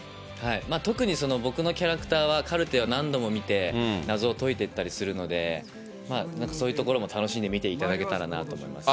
特に僕のキャラクターはカルテを何度も見て、謎を解いていったりするので、そういうところも楽しんで見ていただけたらなと思います。